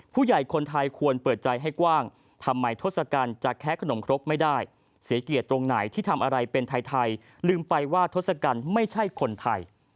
ผู้ใหญ่คนไทยควรเปิดใจให้กว้างทำไมทศกัณฐ์จะแคะขนมครกไม่ได้เสียเกียรติตรงไหนที่ทำอะไรเป็นไทยลืมไปว่าทศกัณฐ์ไม่ใช่คนไทย